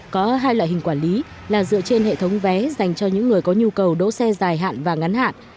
có hai loại hình quản lý là dựa trên hệ thống vé dành cho những người có nhu cầu đỗ xe dài hạn và ngắn hạn